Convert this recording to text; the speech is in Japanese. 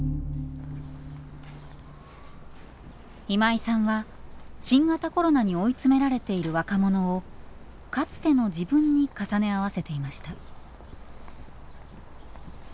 今井さんは新型コロナに追い詰められている若者をかつての自分に重ね合わせていました。